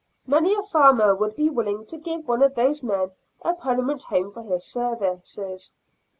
Many a farmer would be willing to give one of those men a permanent home for his services.